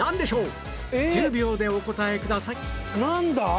１０秒でお答えくださいなんだ？